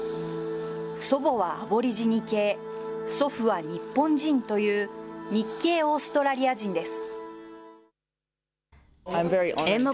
祖母はアボリジニ系、祖父は日本人という、日系オーストラリア人です。